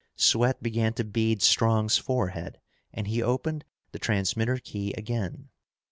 Sweat began to bead Strong's forehead and he opened the transmitter key again.